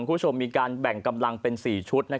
คุณผู้ชมมีการแบ่งกำลังเป็น๔ชุด